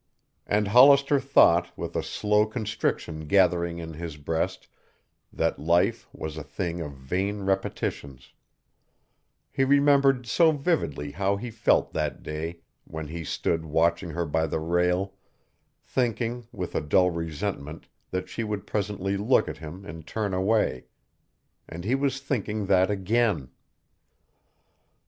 And Hollister thought with a slow constriction gathering in his breast that life was a thing of vain repetitions; he remembered so vividly how he felt that day when he stood watching her by the rail, thinking with a dull resentment that she would presently look at him and turn away. And he was thinking that again.